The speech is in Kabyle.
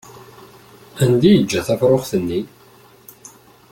Anda i yeǧǧa tafṛuxt-nni?